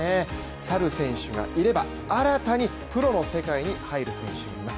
去る選手がいれば、新たにプロの世界に入る選手もいます。